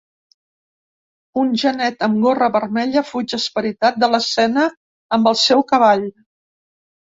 Un genet amb gorra vermella fuig esperitat de l’escena amb el seu cavall.